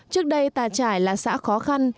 trước đây tà trải là xã khó khăn